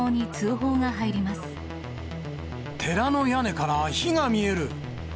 寺の屋根から火が見える。